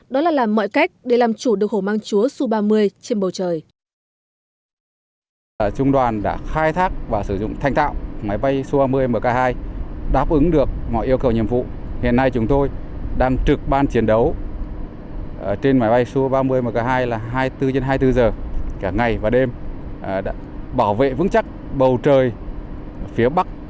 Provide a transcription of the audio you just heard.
đó là làm mọi cách để làm chủ được hồ mang chúa su ba mươi trên bầu trời